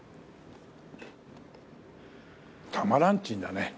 たまらんちんだね。